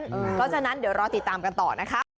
เพราะฉะนั้นเดี๋ยวรอติดตามกันต่อนะคะ